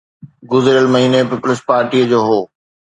گذريل مهيني پيپلز پارٽيءَ جو هو.